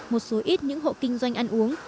một số ít những hộ kinh doanh ăn uống